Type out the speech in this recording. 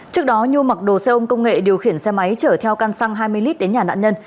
trước đó nhu mặc đồ xe ôm công nghệ điều khiển xe máy chở theo căn xăng hai mươi lit đến nhà nạn nhân